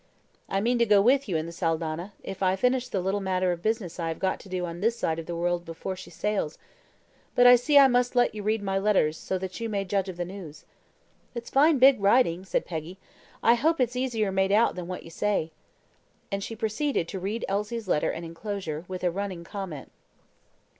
"I mean to go with you in the Saldanha, if I finish the little matter of business I have got to do on this side of the world before she sails. But I see I must let you read my letters, so that you may judge of the news." "It's fine big writing," said Peggy. "I hope it's easier made out than what you say," and she proceeded to read Elsie's letter and enclosure, with a running comment.